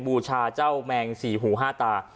บูชาเจ้าแมง๔หู๕ตา